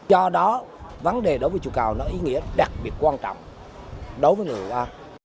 do đó vấn đề đối với chùa cầu nó ý nghĩa đặc biệt quan trọng đối với người hoa